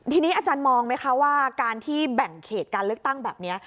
ทีนี้อาจารย์มองไหมคะว่าการที่แบ่งเขตการเลือกตั้งแบบนี้